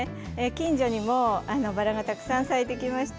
近所にもバラがたくさん咲いてきました。